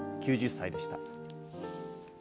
９０歳でした。